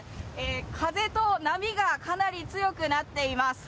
風と波がかなり強くなっています。